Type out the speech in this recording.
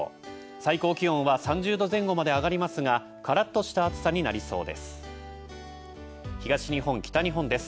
最高気温は３０度前後まで上がりますがカラッとした暑さになりそうです。